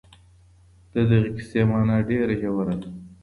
د دغي کیسې مانا ډېره ژوره ده.